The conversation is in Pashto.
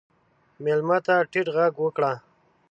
مېلمه ته ټیټ غږ وکړه.